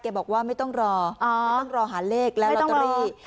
บอกว่าไม่ต้องรอไม่ต้องรอหาเลขและลอตเตอรี่